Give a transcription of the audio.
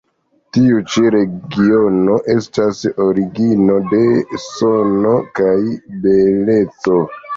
Tiu ĉi regiono estas origino de sano kaj beleco.